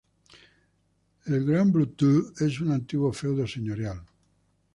El Grand-Blottereau es un antiguo feudo señorial.